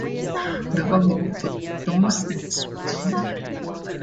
The valley blooms in spring.